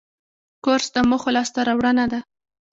کورس د موخو لاسته راوړنه ده.